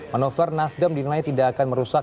manuver nasdem dinilai tidak akan merusak